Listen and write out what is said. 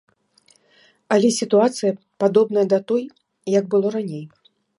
Але сітуацыя падобная да той, як было раней.